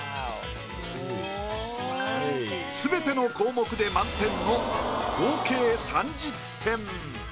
すべての項目で満点の合計３０点。